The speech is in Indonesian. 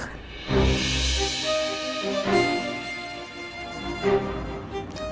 kamu takut dityanai